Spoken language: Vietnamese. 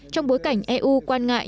trong bối cảnh eu quan ngại